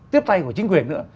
tiếp tay của chính quyền nữa